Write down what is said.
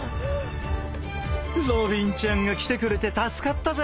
［ロビンちゃんが来てくれて助かったぜ！］